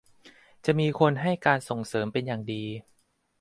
จะมีคนให้การส่งเสริมเป็นอย่างดี